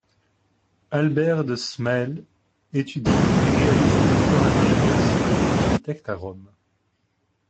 Albert De Smaele étudie et réalise un doctorat d'ingénieur civil architecte à Rome.